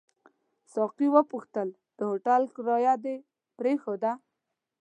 ساقي وپوښتل: د هوټل کرایه دې پرېښوده؟